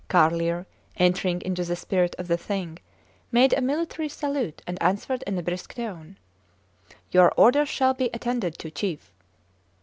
Carlier, entering into the spirit of the thing, made a military salute and answered in a brisk tone, Your orders shall be attended to, chief!